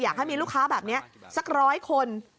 อยากให้มีลูกค้าแบบนี้สักร้อยคน